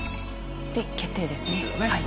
で決定ですね。